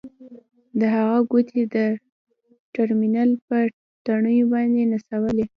د هغه ګوتې د ټرمینل په تڼیو باندې نڅولې